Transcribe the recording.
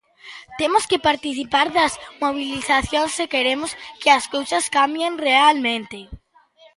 Temos que participar das mobilizacións se queremos que as cousas cambien realmente.